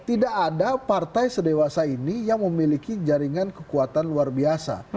tidak ada partai sedewasa ini yang memiliki jaringan kekuatan luar biasa